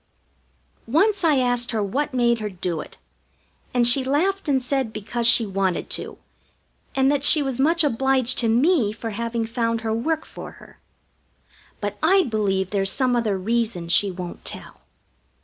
Once I asked her what made her do it, and she laughed and said because she wanted to, and that she was much obliged to me for having found her work for her. But I believe there's some other reason she won't tell.